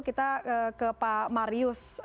kita ke pak marius